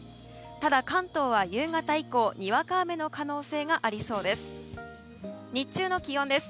ただ、関東は夕方以降にわか雨の可能性がありそうです。